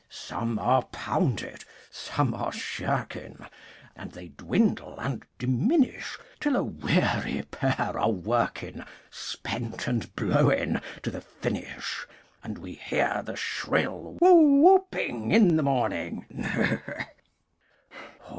Some are pounded, some are shirking, And they dwindle and diminish Till a weary pair are working, Spent and blowing, to the finish, And we hear the shrill whoo ooping in the morning.